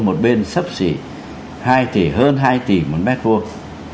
một bên sắp xỉ hai tỷ hơn hai tỷ một mét vuông